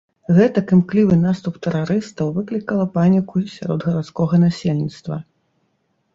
Гэтак імклівы наступ тэрарыстаў выклікала паніку сярод гарадскога насельніцтва.